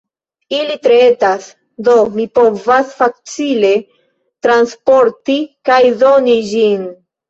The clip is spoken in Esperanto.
Ili tre etas, do mi povas facile transporti kaj doni ĝin.